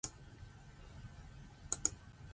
Uyocelwa futhi ukuthi ugcwalise ifomu ngalokhu.